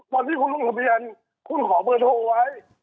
วันที่คุณลงทะเบียนคุณขอเบอร์โทรไว้